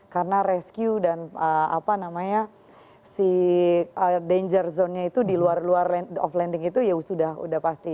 karena rescue dan apa namanya si danger zone nya itu di luar off landing itu ya sudah pasti